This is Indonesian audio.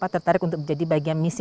tertarik untuk menjadi bagian misi